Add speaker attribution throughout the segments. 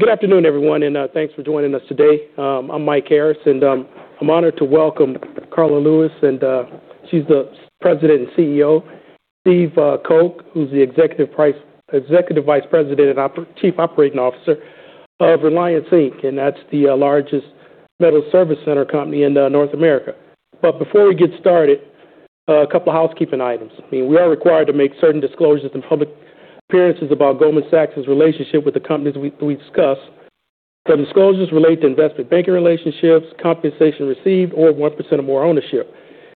Speaker 1: Good afternoon, everyone, and thanks for joining us today. I'm Mike Harris, and I'm honored to welcome Karla Lewis, and she's the President and CEO, Steve Koch, who's the Executive Vice President and Chief Operating Officer of Reliance, Inc., and that's the largest metal service center company in North America. But before we get started, a couple of housekeeping items. We are required to make certain disclosures and public appearances about Goldman Sachs' relationship with the companies we discuss. The disclosures relate to investment banking relationships, compensation received, or 1% or more ownership.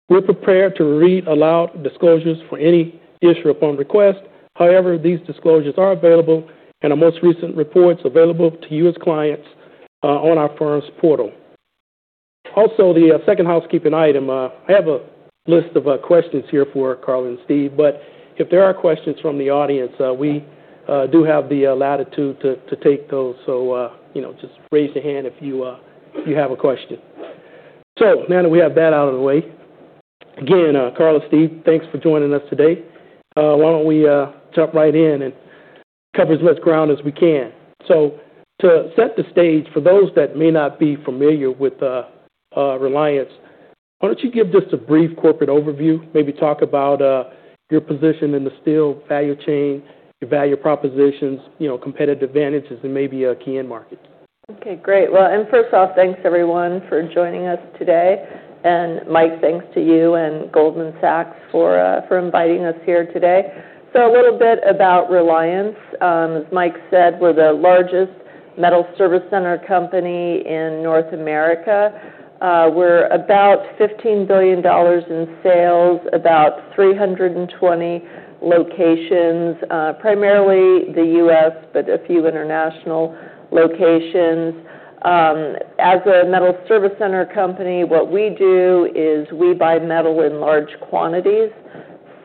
Speaker 1: We're prepared to read aloud disclosures for any issue upon request. However, these disclosures are available, and our most recent report's available to you as clients on our firm's portal. Also, the second housekeeping item, I have a list of questions here for Karla and Steve, but if there are questions from the audience, we do have the latitude to take those. So just raise your hand if you have a question. So now that we have that out of the way, again, Karla and Steve, thanks for joining us today. Why don't we jump right in and cover as much ground as we can? So to set the stage for those that may not be familiar with Reliance, why don't you give just a brief corporate overview, maybe talk about your position in the steel value chain, your value propositions, competitive advantages, and maybe key end markets?
Speaker 2: Okay, great. Well, and first off, thanks everyone for joining us today. And Mike, thanks to you and Goldman Sachs for inviting us here today. So a little bit about Reliance. As Mike said, we're the largest metal service center company in North America. We're about $15 billion in sales, about 320 locations, primarily the U.S., but a few international locations. As a metal service center company, what we do is we buy metal in large quantities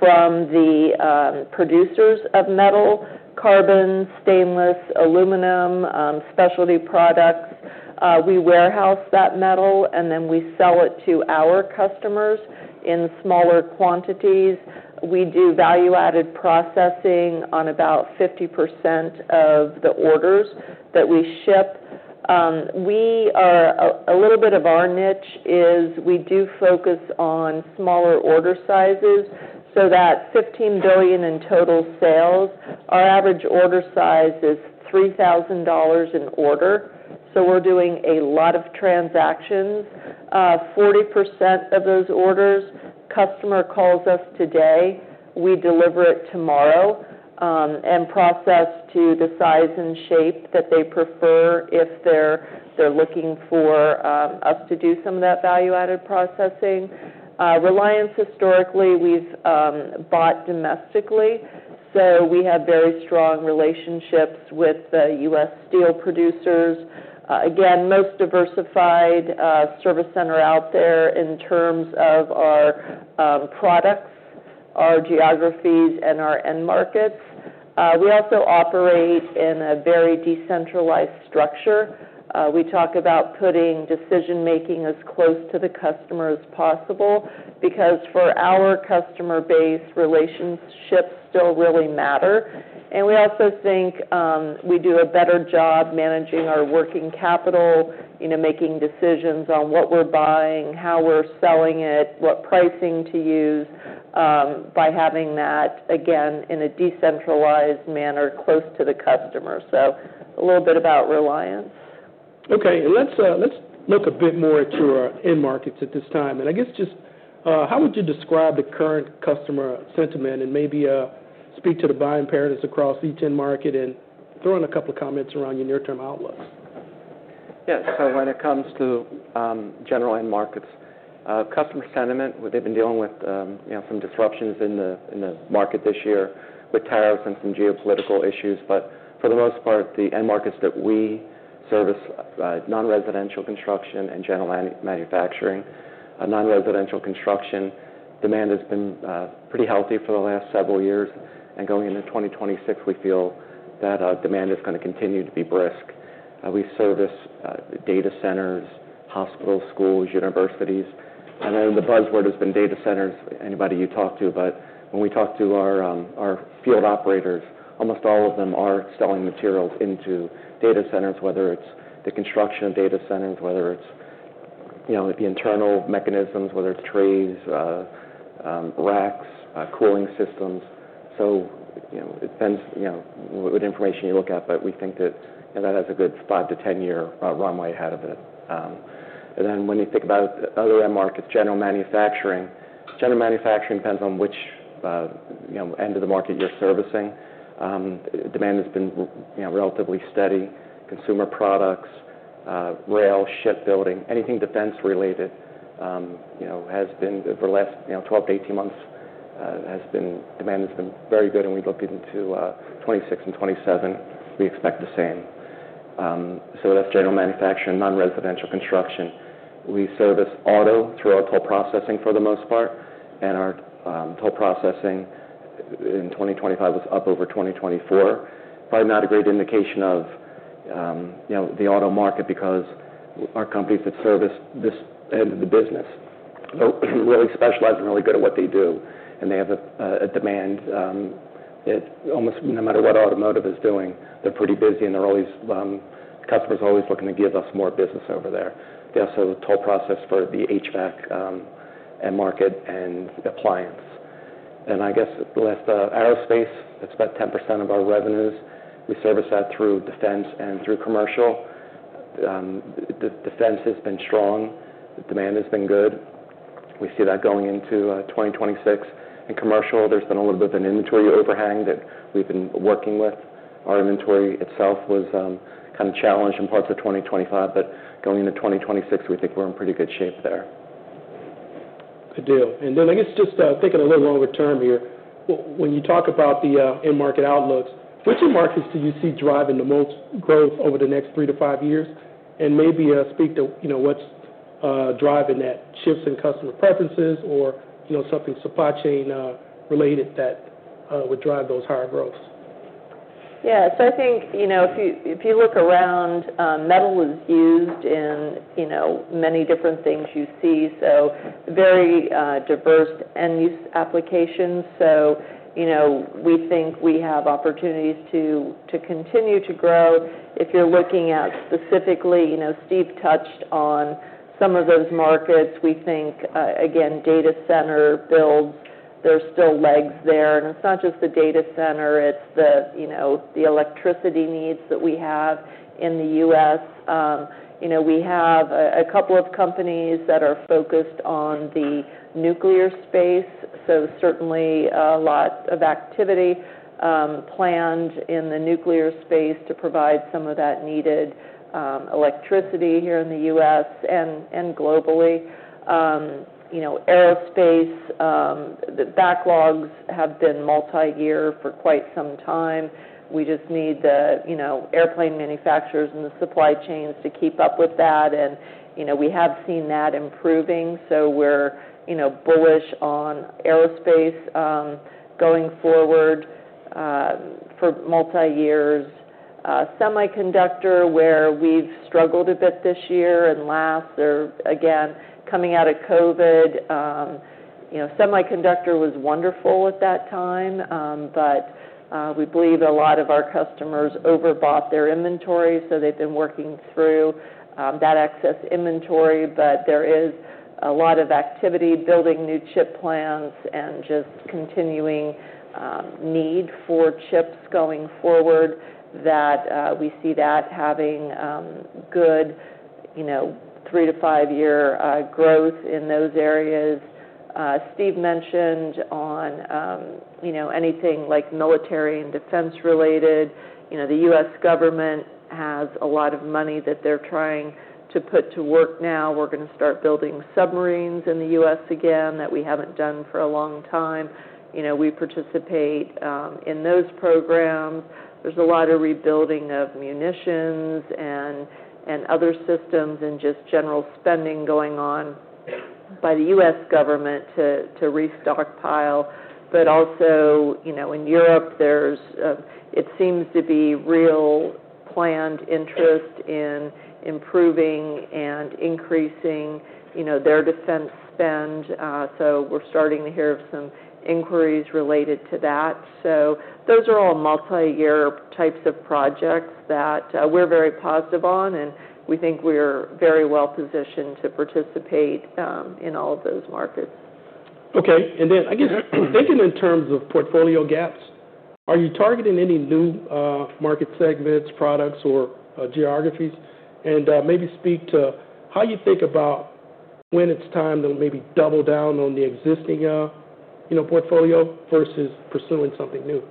Speaker 2: from the producers of metal: carbon, stainless, aluminum, specialty products. We warehouse that metal, and then we sell it to our customers in smaller quantities. We do value-added processing on about 50% of the orders that we ship. A little bit of our niche is we do focus on smaller order sizes. So that's $15 billion in total sales. Our average order size is $3,000 an order. So we're doing a lot of transactions. 40% of those orders, customer calls us today, we deliver it tomorrow, and process to the size and shape that they prefer if they're looking for us to do some of that value-added processing. Reliance, historically, we've bought domestically. So we have very strong relationships with the U.S. steel producers. Again, most diversified service center out there in terms of our products, our geographies, and our end markets. We also operate in a very decentralized structure. We talk about putting decision-making as close to the customer as possible because for our customer base, relationships still really matter. And we also think we do a better job managing our working capital, making decisions on what we're buying, how we're selling it, what pricing to use by having that, again, in a decentralized manner close to the customer. So a little bit about Reliance.
Speaker 1: Okay. Let's look a bit more to our end markets at this time, and I guess just how would you describe the current customer sentiment and maybe speak to the buying patterns across each end market and throw in a couple of comments around your near-term outlook?
Speaker 3: Yeah. So when it comes to general end markets, customer sentiment, they've been dealing with some disruptions in the market this year with tariffs and some geopolitical issues, but for the most part, the end markets that we service, non-residential construction and general manufacturing, non-residential construction, demand has been pretty healthy for the last several years, and going into 2026, we feel that demand is going to continue to be brisk. We service data centers, hospitals, schools, universities, and then the buzzword has been data centers. Anybody you talk to, but when we talk to our field operators, almost all of them are selling materials into data centers, whether it's the construction of data centers, whether it's the internal mechanisms, whether it's trays, racks, cooling systems, so it depends what information you look at, but we think that that has a good five to 10-year runway ahead of it. And then when you think about other end markets, general manufacturing. General manufacturing depends on which end of the market you're servicing. Demand has been relatively steady. Consumer products, rail, shipbuilding, anything defense-related has been over the last 12 to 18 months. Demand has been very good. And we look into 2026 and 2027. We expect the same. So that's general manufacturing, non-residential construction. We service auto through our toll processing for the most part. And our toll processing in 2025 was up over 2024. Probably not a great indication of the auto market because our companies that service this end of the business are really specialized and really good at what they do. And they have a demand. No matter what automotive is doing, they're pretty busy, and customers are always looking to give us more business over there. They also toll process for the HVAC end market and appliance, and I guess the last, aerospace, that's about 10% of our revenues. We service that through defense and through commercial. Defense has been strong. Demand has been good. We see that going into 2026. In commercial, there's been a little bit of an inventory overhang that we've been working with. Our inventory itself was kind of challenged in parts of 2025, but going into 2026, we think we're in pretty good shape there.
Speaker 1: Good deal. And then I guess just thinking a little longer term here, when you talk about the end market outlooks, which markets do you see driving the most growth over the next three to five years? And maybe speak to what's driving that, shifts in customer preferences or something supply chain related that would drive those higher growths?
Speaker 2: Yeah. So I think if you look around, metal is used in many different things you see. So very diverse end-use applications. So we think we have opportunities to continue to grow. If you're looking at specifically, Steve touched on some of those markets. We think, again, data center builds, there's still legs there. And it's not just the data center, it's the electricity needs that we have in the U.S. We have a couple of companies that are focused on the nuclear space. So certainly a lot of activity planned in the nuclear space to provide some of that needed electricity here in the U.S. and globally. Aerospace, the backlogs have been multi-year for quite some time. We just need the airplane manufacturers and the supply chains to keep up with that. And we have seen that improving. So we're bullish on aerospace going forward for multi-years. Semiconductor, where we've struggled a bit this year and last, again, coming out of COVID. Semiconductor was wonderful at that time, but we believe a lot of our customers overbought their inventory. So they've been working through that excess inventory. But there is a lot of activity, building new chip plants, and just continuing need for chips going forward that we see that having good three-to-five-year growth in those areas. Steve mentioned on anything like military and defense-related, the U.S. government has a lot of money that they're trying to put to work now. We're going to start building submarines in the U.S. again that we haven't done for a long time. We participate in those programs. There's a lot of rebuilding of munitions and other systems and just general spending going on by the U.S. government to re-stockpile. But also in Europe, it seems to be real planned interest in improving and increasing their defense spend. So we're starting to hear of some inquiries related to that. So those are all multi-year types of projects that we're very positive on, and we think we're very well positioned to participate in all of those markets.
Speaker 1: Okay. And then I guess thinking in terms of portfolio gaps, are you targeting any new market segments, products, or geographies? And maybe speak to how you think about when it's time to maybe double down on the existing portfolio versus pursuing something new.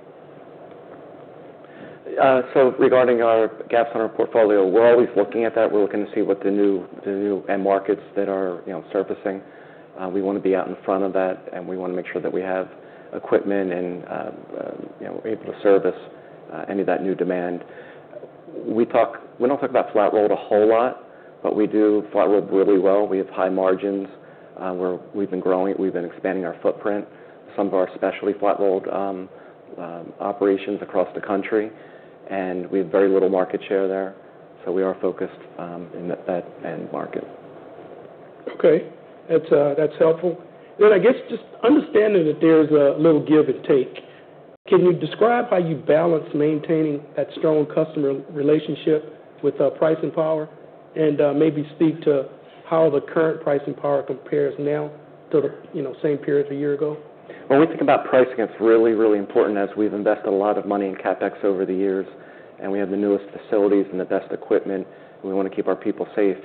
Speaker 3: So, regarding our gaps on our portfolio, we're always looking at that. We're looking to see what the new end markets that are surfacing. We want to be out in front of that, and we want to make sure that we have equipment and we're able to service any of that new demand. We don't talk about flat-rolled a whole lot, but we do flat-rolled really well. We have high margins. We've been growing. We've been expanding our footprint, some of our specialty flat-rolled operations across the country, and we have very little market share there. So we are focused in that end market.
Speaker 1: Okay. That's helpful. Then I guess just understanding that there's a little give and take, can you describe how you balance maintaining that strong customer relationship with pricing power and maybe speak to how the current pricing power compares now to the same period a year ago?
Speaker 3: When we think about pricing, it's really, really important as we've invested a lot of money in CapEx over the years, and we have the newest facilities and the best equipment, and we want to keep our people safe.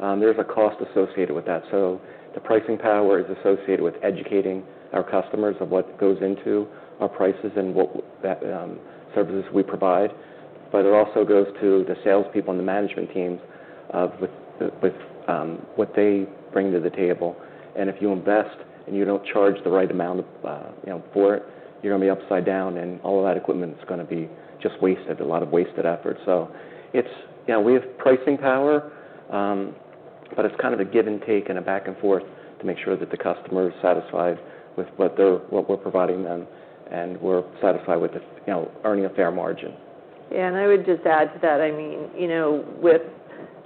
Speaker 3: There's a cost associated with that. So the pricing power is associated with educating our customers of what goes into our prices and what services we provide. But it also goes to the salespeople and the management teams with what they bring to the table. And if you invest and you don't charge the right amount for it, you're going to be upside down, and all of that equipment is going to be just wasted, a lot of wasted effort. So we have pricing power, but it's kind of a give and take and a back and forth to make sure that the customer is satisfied with what we're providing them and we're satisfied with earning a fair margin.
Speaker 2: Yeah. And I would just add to that. I mean, with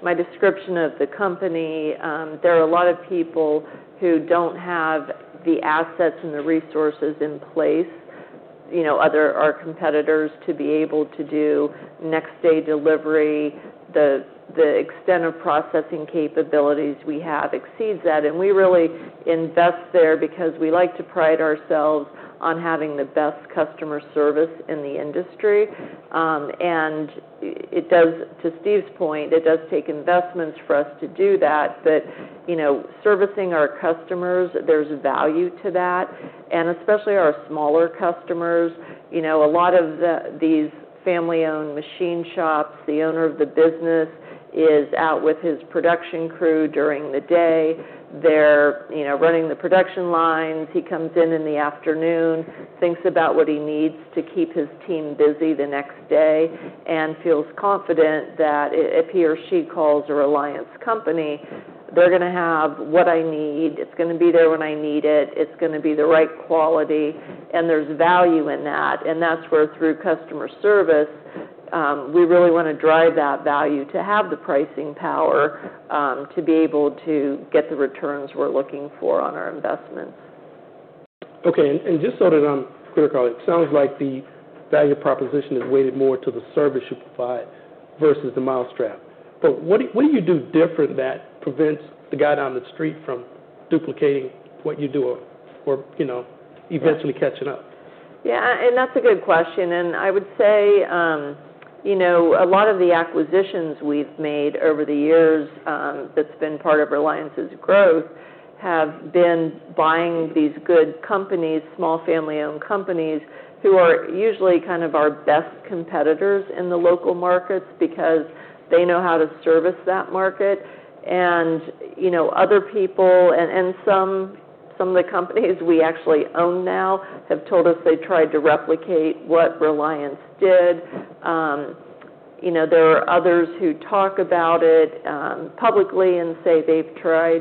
Speaker 2: my description of the company, there are a lot of people who don't have the assets and the resources in place, other competitors to be able to do next-day delivery. The extent of processing capabilities we have exceeds that. And we really invest there because we like to pride ourselves on having the best customer service in the industry. And to Steve's point, it does take investments for us to do that. But servicing our customers, there's value to that. And especially our smaller customers, a lot of these family-owned machine shops, the owner of the business is out with his production crew during the day. They're running the production lines. He comes in in the afternoon, thinks about what he needs to keep his team busy the next day, and feels confident that if he or she calls a Reliance company, they're going to have what I need. It's going to be there when I need it. It's going to be the right quality. And there's value in that. And that's where through customer service, we really want to drive that value to have the pricing power to be able to get the returns we're looking for on our investments.
Speaker 1: Okay. And just so that I'm clear, Karla, it sounds like the value proposition is weighted more to the service you provide versus the mill spread. But what do you do different that prevents the guy down the street from duplicating what you do or eventually catching up?
Speaker 2: Yeah. And that's a good question. And I would say a lot of the acquisitions we've made over the years that's been part of Reliance's growth have been buying these good companies, small family-owned companies who are usually kind of our best competitors in the local markets because they know how to service that market. And other people and some of the companies we actually own now have told us they tried to replicate what Reliance did. There are others who talk about it publicly and say they've tried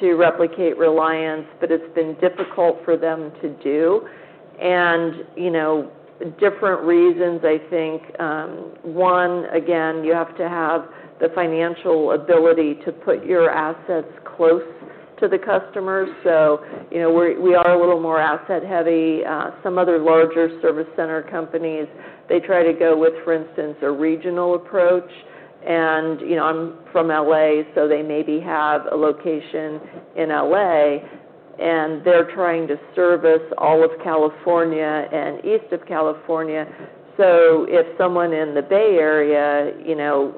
Speaker 2: to replicate Reliance, but it's been difficult for them to do. And different reasons, I think. One, again, you have to have the financial ability to put your assets close to the customers. So we are a little more asset-heavy. Some other larger service center companies, they try to go with, for instance, a regional approach. And I'm from LA, so they maybe have a location in LA, and they're trying to service all of California and east of California. So if someone in the Bay Area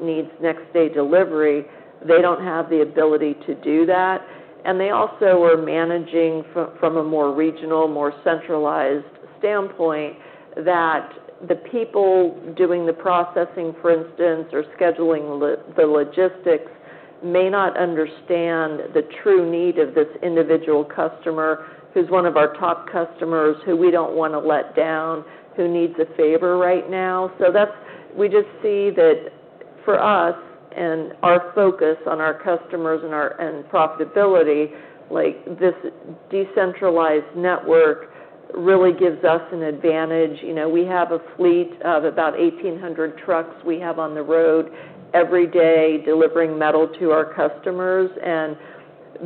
Speaker 2: needs next-day delivery, they don't have the ability to do that. And they also are managing from a more regional, more centralized standpoint that the people doing the processing, for instance, or scheduling the logistics may not understand the true need of this individual customer who's one of our top customers who we don't want to let down, who needs a favor right now. So we just see that for us and our focus on our customers and profitability, this decentralized network really gives us an advantage. We have a fleet of about 1,800 trucks we have on the road every day delivering metal to our customers. And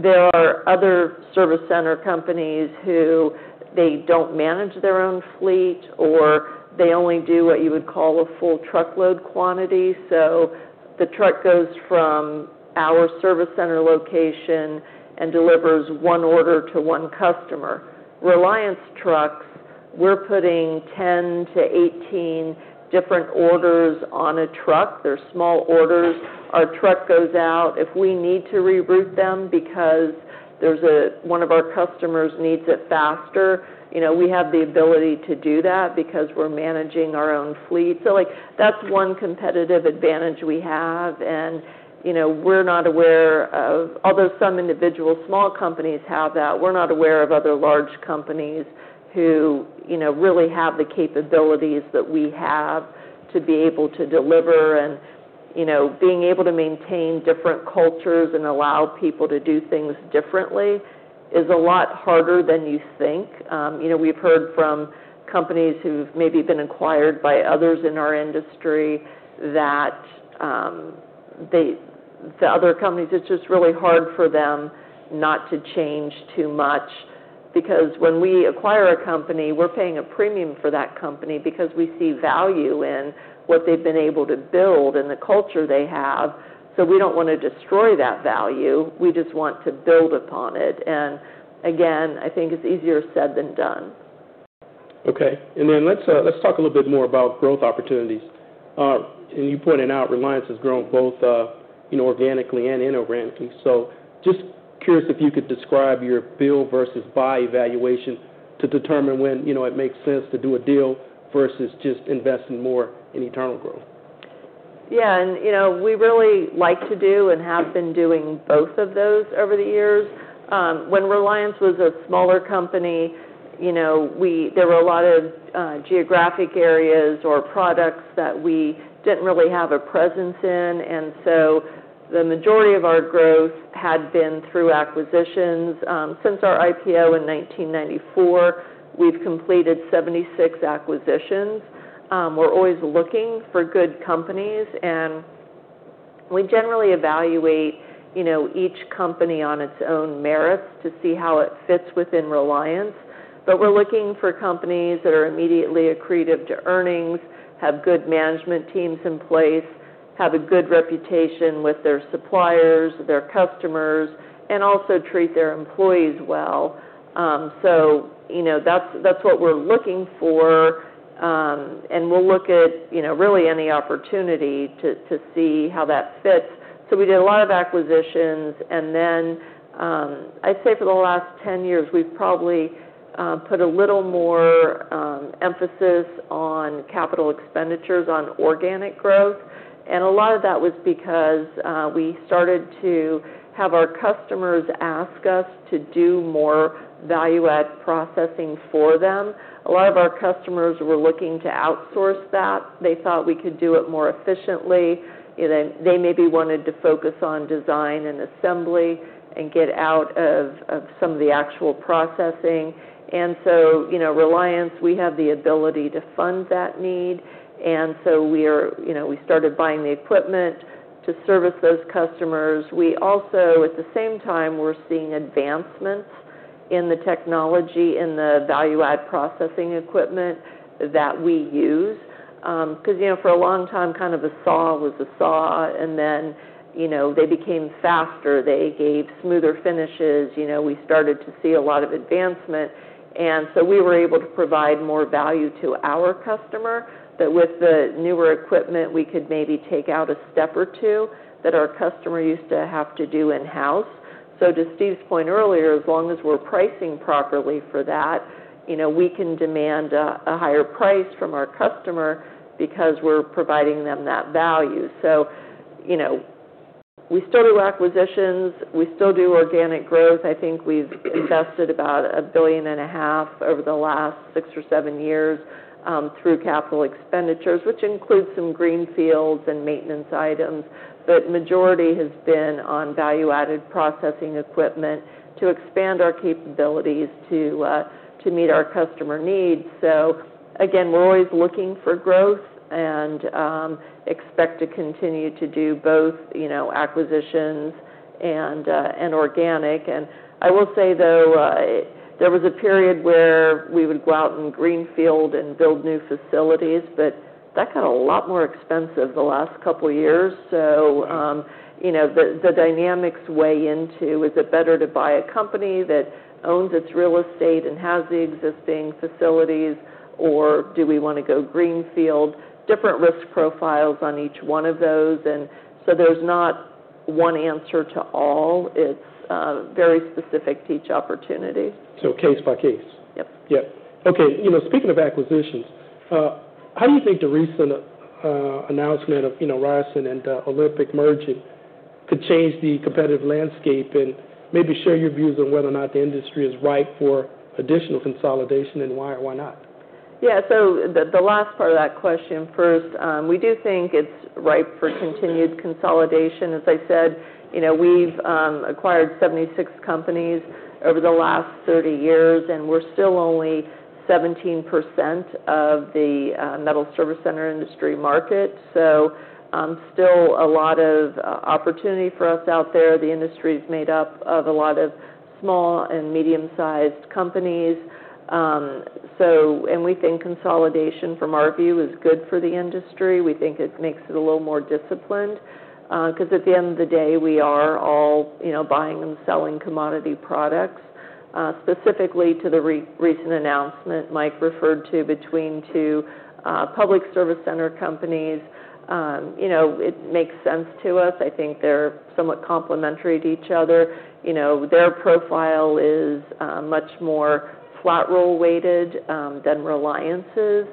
Speaker 2: there are other service center companies who they don't manage their own fleet or they only do what you would call a full truckload quantity. So the truck goes from our service center location and delivers one order to one customer. Reliance trucks, we're putting 10-18 different orders on a truck. They're small orders. Our truck goes out. If we need to reroute them because one of our customers needs it faster, we have the ability to do that because we're managing our own fleet. So that's one competitive advantage we have. And we're not aware of, although some individual small companies have that, we're not aware of other large companies who really have the capabilities that we have to be able to deliver. And being able to maintain different cultures and allow people to do things differently is a lot harder than you think. We've heard from companies who've maybe been acquired by others in our industry that the other companies, it's just really hard for them not to change too much because when we acquire a company, we're paying a premium for that company because we see value in what they've been able to build and the culture they have. So we don't want to destroy that value. We just want to build upon it. And again, I think it's easier said than done.
Speaker 1: Okay. And then let's talk a little bit more about growth opportunities. And you pointed out Reliance has grown both organically and inorganically. So just curious if you could describe your build versus buy evaluation to determine when it makes sense to do a deal versus just investing more in internal growth?
Speaker 2: Yeah. And we really like to do and have been doing both of those over the years. When Reliance was a smaller company, there were a lot of geographic areas or products that we didn't really have a presence in. And so the majority of our growth had been through acquisitions. Since our IPO in 1994, we've completed 76 acquisitions. We're always looking for good companies. And we generally evaluate each company on its own merits to see how it fits within Reliance. But we're looking for companies that are immediately accretive to earnings, have good management teams in place, have a good reputation with their suppliers, their customers, and also treat their employees well. So that's what we're looking for. And we'll look at really any opportunity to see how that fits. So we did a lot of acquisitions. And then I'd say for the last 10 years, we've probably put a little more emphasis on capital expenditures on organic growth. And a lot of that was because we started to have our customers ask us to do more value-add processing for them. A lot of our customers were looking to outsource that. They thought we could do it more efficiently. They maybe wanted to focus on design and assembly and get out of some of the actual processing. And so Reliance, we have the ability to fund that need. And so we started buying the equipment to service those customers. We also, at the same time, were seeing advancements in the technology in the value-add processing equipment that we use because for a long time, kind of a saw was a saw. And then they became faster. They gave smoother finishes. We started to see a lot of advancement, and so we were able to provide more value to our customer that with the newer equipment, we could maybe take out a step or two that our customer used to have to do in-house. To Steve's point earlier, as long as we're pricing properly for that, we can demand a higher price from our customer because we're providing them that value. We still do acquisitions. We still do organic growth. I think we've invested about $1.5 billion over the last six or seven years through capital expenditures, which includes some greenfields and maintenance items. The majority has been on value-added processing equipment to expand our capabilities to meet our customer needs. We're always looking for growth and expect to continue to do both acquisitions and organic. I will say, though, there was a period where we would go out and greenfield and build new facilities, but that got a lot more expensive the last couple of years. So the dynamics weigh into is it better to buy a company that owns its real estate and has the existing facilities, or do we want to go greenfield? Different risk profiles on each one of those. And so there's not one answer to all. It's very specific to each opportunity.
Speaker 1: So case by case.
Speaker 2: Yep.
Speaker 1: Yep. Okay. Speaking of acquisitions, how do you think the recent announcement of Ryerson and Olympic merging could change the competitive landscape and maybe share your views on whether or not the industry is ripe for additional consolidation and why or why not?
Speaker 2: Yeah. So the last part of that question first, we do think it's ripe for continued consolidation. As I said, we've acquired 76 companies over the last 30 years, and we're still only 17% of the metal service center industry market. So still a lot of opportunity for us out there. The industry is made up of a lot of small and medium-sized companies. And we think consolidation, from our view, is good for the industry. We think it makes it a little more disciplined because at the end of the day, we are all buying and selling commodity products. Specifically to the recent announcement Mike referred to between two public service center companies, it makes sense to us. I think they're somewhat complementary to each other. Their profile is much more flat roll weighted than Reliance's.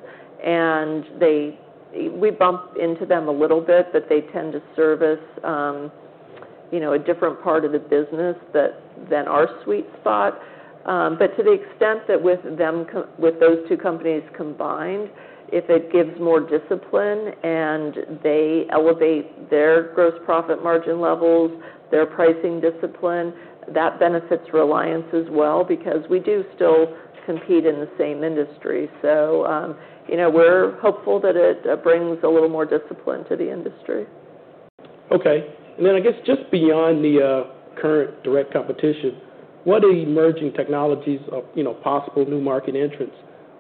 Speaker 2: And we bump into them a little bit, but they tend to service a different part of the business than our sweet spot. But to the extent that with those two companies combined, if it gives more discipline and they elevate their gross profit margin levels, their pricing discipline, that benefits Reliance as well because we do still compete in the same industry. So we're hopeful that it brings a little more discipline to the industry.
Speaker 1: Okay. And then I guess just beyond the current direct competition, what are emerging technologies or possible new market entrants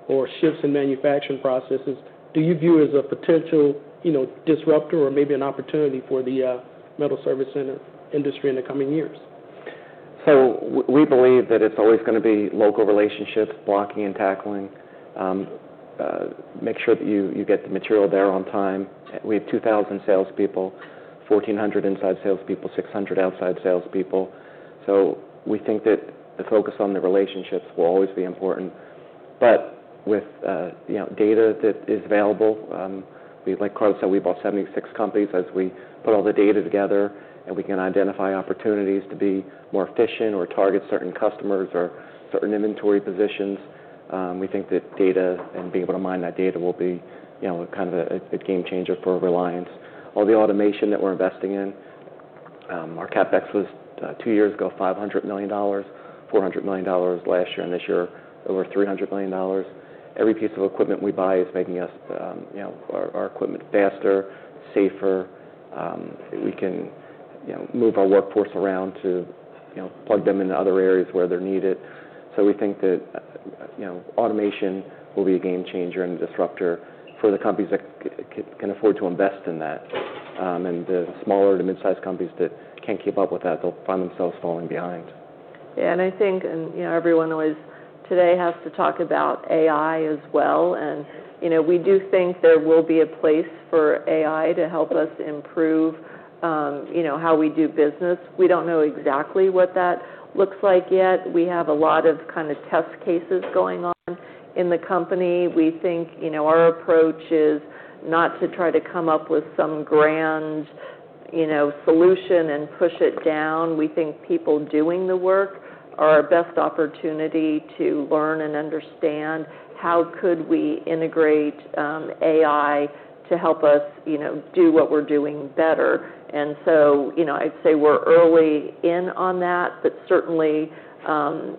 Speaker 1: or shifts in manufacturing processes do you view as a potential disruptor or maybe an opportunity for the metal service center industry in the coming years?
Speaker 3: So we believe that it's always going to be local relationships, blocking and tackling, make sure that you get the material there on time. We have 2,000 salespeople, 1,400 inside salespeople, 600 outside salespeople. So we think that the focus on the relationships will always be important. But with data that is available, like Karla said, we bought 76 companies as we put all the data together, and we can identify opportunities to be more efficient or target certain customers or certain inventory positions. We think that data and being able to mine that data will be kind of a game changer for Reliance. All the automation that we're investing in, our CapEx was two years ago $500 million, $400 million last year, and this year over $300 million. Every piece of equipment we buy is making our equipment faster, safer. We can move our workforce around to plug them into other areas where they're needed. So we think that automation will be a game changer and a disruptor for the companies that can afford to invest in that. And the smaller to mid-sized companies that can't keep up with that, they'll find themselves falling behind.
Speaker 2: Yeah. And I think everyone always today has to talk about AI as well. And we do think there will be a place for AI to help us improve how we do business. We don't know exactly what that looks like yet. We have a lot of kind of test cases going on in the company. We think our approach is not to try to come up with some grand solution and push it down. We think people doing the work are our best opportunity to learn and understand how could we integrate AI to help us do what we're doing better. And so I'd say we're early in on that, but certainly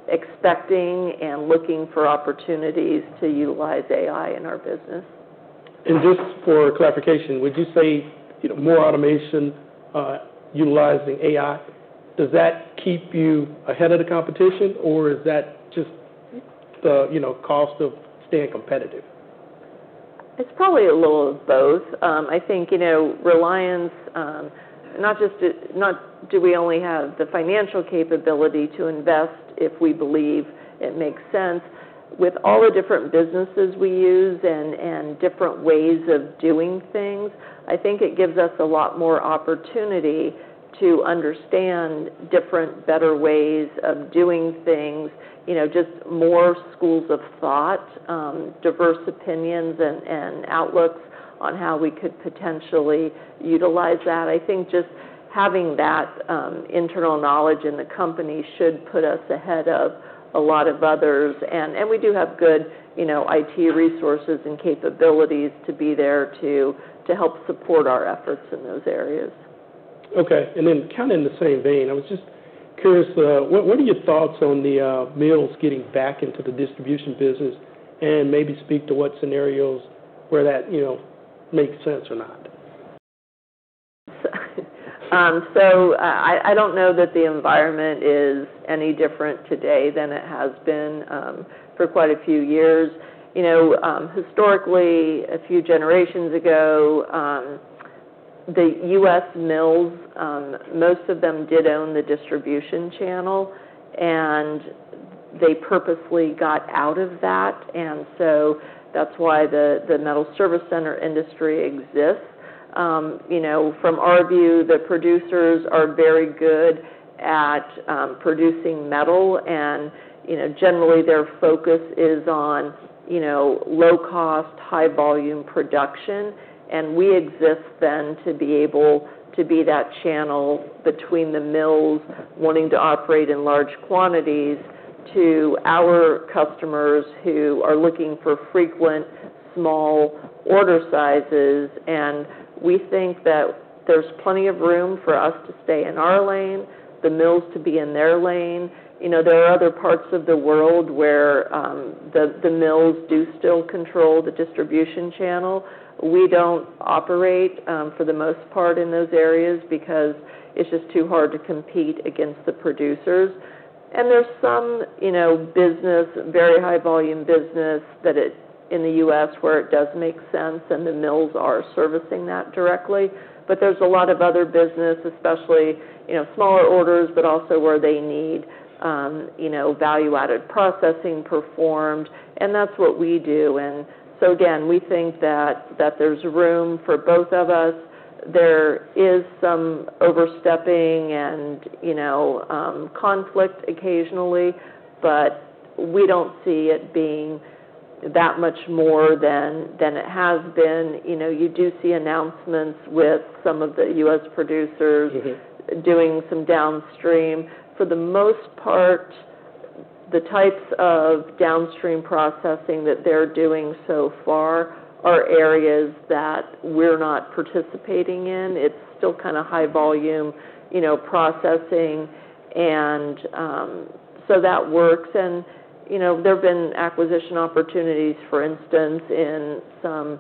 Speaker 2: expecting and looking for opportunities to utilize AI in our business.
Speaker 1: Just for clarification, would you say more automation utilizing AI, does that keep you ahead of the competition, or is that just the cost of staying competitive?
Speaker 2: It's probably a little of both. I think Reliance, not just do we only have the financial capability to invest if we believe it makes sense. With all the different businesses we use and different ways of doing things, I think it gives us a lot more opportunity to understand different, better ways of doing things, just more schools of thought, diverse opinions and outlooks on how we could potentially utilize that. I think just having that internal knowledge in the company should put us ahead of a lot of others. And we do have good IT resources and capabilities to be there to help support our efforts in those areas.
Speaker 1: Okay. And then kind of in the same vein, I was just curious, what are your thoughts on the mills getting back into the distribution business and maybe speak to what scenarios where that makes sense or not?
Speaker 2: So I don't know that the environment is any different today than it has been for quite a few years. Historically, a few generations ago, the U.S. mills, most of them did own the distribution channel, and they purposely got out of that. And so that's why the metal service center industry exists. From our view, the producers are very good at producing metal. And generally, their focus is on low-cost, high-volume production. And we exist then to be able to be that channel between the mills wanting to operate in large quantities to our customers who are looking for frequent small order sizes. And we think that there's plenty of room for us to stay in our lane, the mills to be in their lane. There are other parts of the world where the mills do still control the distribution channel. We don't operate for the most part in those areas because it's just too hard to compete against the producers. And there's some business, very high-volume business in the U.S. where it does make sense, and the mills are servicing that directly. But there's a lot of other business, especially smaller orders, but also where they need value-added processing performed. And that's what we do. And so again, we think that there's room for both of us. There is some overstepping and conflict occasionally, but we don't see it being that much more than it has been. You do see announcements with some of the U.S. producers doing some downstream. For the most part, the types of downstream processing that they're doing so far are areas that we're not participating in. It's still kind of high-volume processing. And so that works. There have been acquisition opportunities, for instance, in some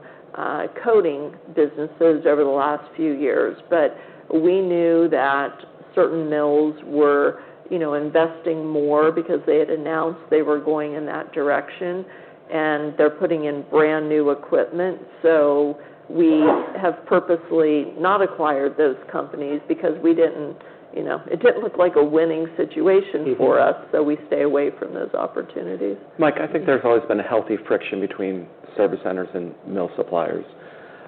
Speaker 2: coating businesses over the last few years. But we knew that certain mills were investing more because they had announced they were going in that direction, and they're putting in brand new equipment. We have purposely not acquired those companies because we didn't. It didn't look like a winning situation for us. We stay away from those opportunities.
Speaker 3: Mike, I think there's always been a healthy friction between service centers and mill suppliers.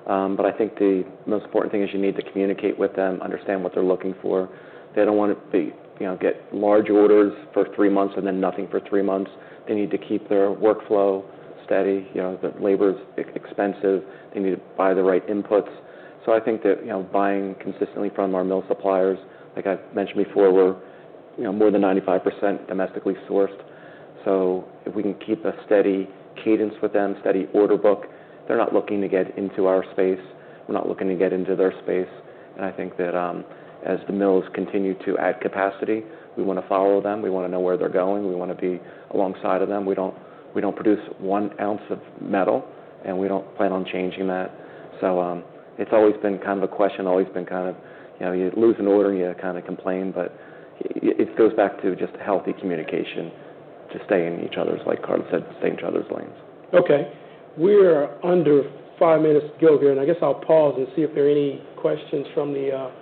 Speaker 3: But I think the most important thing is you need to communicate with them, understand what they're looking for. They don't want to get large orders for three months and then nothing for three months. They need to keep their workflow steady. The labor is expensive. They need to buy the right inputs. So I think that buying consistently from our mill suppliers, like I've mentioned before, we're more than 95% domestically sourced. So if we can keep a steady cadence with them, steady order book, they're not looking to get into our space. We're not looking to get into their space. And I think that as the mills continue to add capacity, we want to follow them. We want to know where they're going. We want to be alongside of them. We don't produce one ounce of metal, and we don't plan on changing that. So it's always been kind of a question, always been kind of, you lose an order, you kind of complain. But it goes back to just healthy communication to stay in each other's, like Karla said, stay in each other's lanes.
Speaker 1: Okay. We're under five minutes to go here, and I guess I'll pause and see if there are any questions from the audience,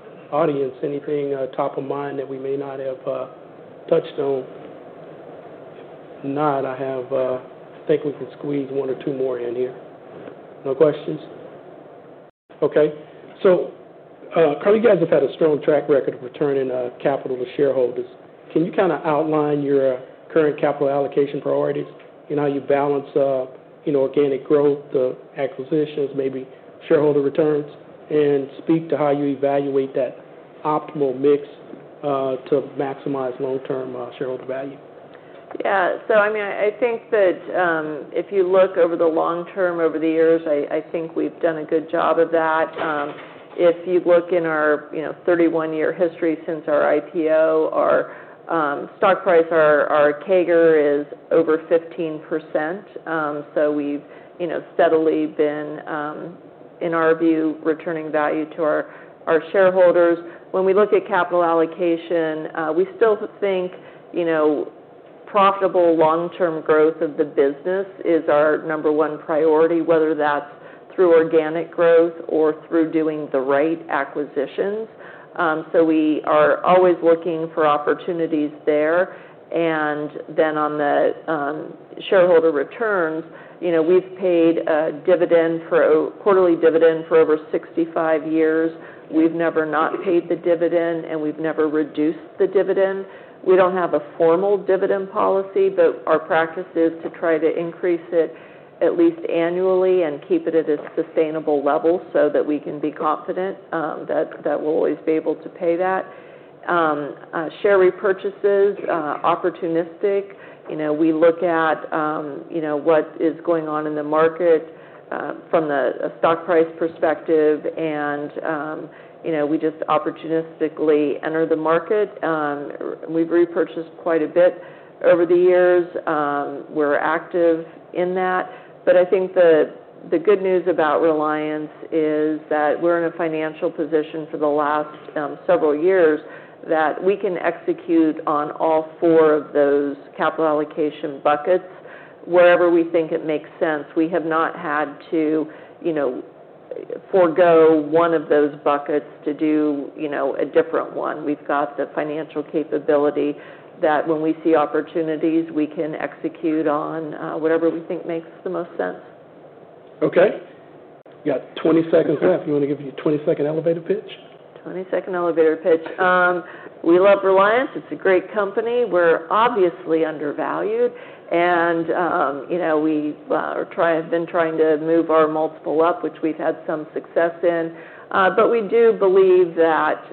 Speaker 1: anything top of mind that we may not have touched on. If not, I think we can squeeze one or two more in here. No questions? Okay. So Karla, you guys have had a strong track record of returning capital to shareholders. Can you kind of outline your current capital allocation priorities and how you balance organic growth, acquisitions, maybe shareholder returns, and speak to how you evaluate that optimal mix to maximize long-term shareholder value?
Speaker 2: Yeah. So I mean, I think that if you look over the long term, over the years, I think we've done a good job of that. If you look in our 31-year history since our IPO, our stock price, our CAGR is over 15%. So we've steadily been, in our view, returning value to our shareholders. When we look at capital allocation, we still think profitable long-term growth of the business is our number one priority, whether that's through organic growth or through doing the right acquisitions. So we are always looking for opportunities there. And then on the shareholder returns, we've paid a quarterly dividend for over 65 years. We've never not paid the dividend, and we've never reduced the dividend. We don't have a formal dividend policy, but our practice is to try to increase it at least annually and keep it at a sustainable level so that we can be confident that we'll always be able to pay that. Share repurchases, opportunistic. We look at what is going on in the market from a stock price perspective, and we just opportunistically enter the market. We've repurchased quite a bit over the years. We're active in that. But I think the good news about Reliance is that we're in a financial position for the last several years that we can execute on all four of those capital allocation buckets wherever we think it makes sense. We have not had to forgo one of those buckets to do a different one. We've got the financial capability that when we see opportunities, we can execute on whatever we think makes the most sense.
Speaker 1: Okay. We got 20 seconds left. You want to give you a 20-second elevator pitch?
Speaker 2: 20-second elevator pitch. We love Reliance. It's a great company. We're obviously undervalued, and we have been trying to move our multiple up, which we've had some success in. But we do believe that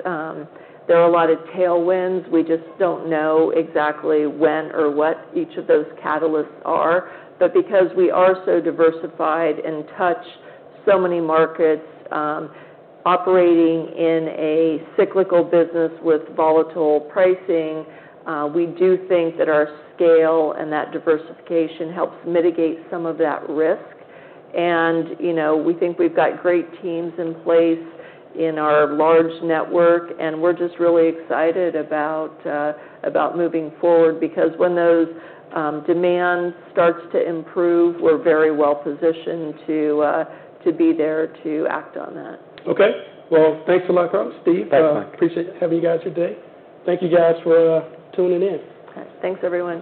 Speaker 2: there are a lot of tailwinds. We just don't know exactly when or what each of those catalysts are. But because we are so diversified and touch so many markets, operating in a cyclical business with volatile pricing, we do think that our scale and that diversification helps mitigate some of that risk. And we think we've got great teams in place in our large network, and we're just really excited about moving forward because when those demands start to improve, we're very well positioned to be there to act on that.
Speaker 1: Okay. Well, thanks a lot, Karla, Steve.
Speaker 3: Thanks, Mike.
Speaker 1: Appreciate having you guys here today. Thank you guys for tuning in.
Speaker 2: Thanks, everyone.